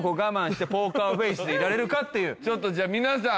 っていうちょっとじゃあ皆さん